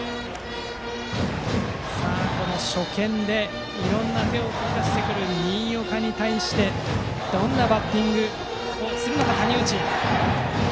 初見でいろいろな手を繰り出してくる新岡に対してどんなバッティングをするのか谷内。